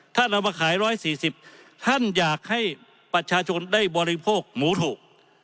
ถ้าเรามาขาย๑๔๐ท่านอยากให้ประชาชนได้บริโภคหมูถูก